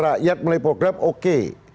rakyat melalui program oke